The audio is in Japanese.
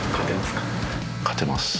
勝てますか？